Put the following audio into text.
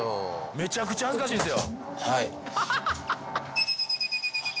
めちゃくちゃ恥ずかしいんですよ。